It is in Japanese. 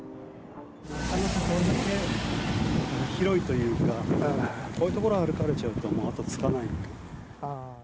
なかなか、この辺広いというか、こういう所歩かれちゃうと、もう跡つかない。